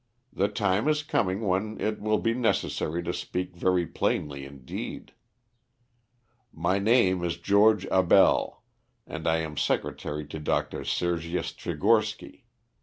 "The time is coming when it will be necessary to speak very plainly indeed. My name is George Abell, and I am secretary to Dr. Sergius Tchigorsky.